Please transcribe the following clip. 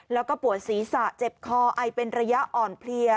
แล้วก็ปวดศีรษะเจ็บคอไอเป็นระยะอ่อนเพลีย